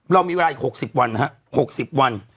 เรามีเวลาอีก๖๐วันนะฮะ๖๐วัน